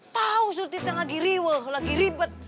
tau surut gue lagi riweh lagi ribet